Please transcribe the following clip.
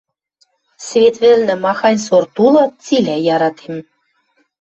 – Свет вӹлнӹ махань сорт улы, цилӓ яратем...